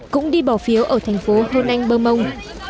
cũng đi bỏ phiếu ở thành phố hôn anh bơ mông